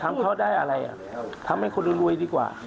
ทำเขาได้อะไรทำให้คนรวยดีกว่า